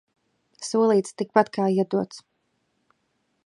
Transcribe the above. Solīts – tikpat kā iedots.